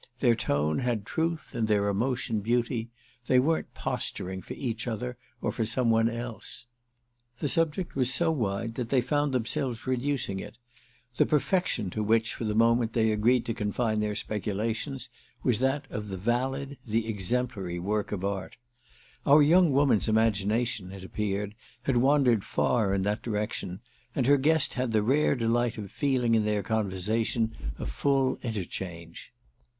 Their tone had truth and their emotion beauty; they weren't posturing for each other or for some one else. The subject was so wide that they found themselves reducing it; the perfection to which for the moment they agreed to confine their speculations was that of the valid, the exemplary work of art. Our young woman's imagination, it appeared, had wandered far in that direction, and her guest had the rare delight of feeling in their conversation a full interchange.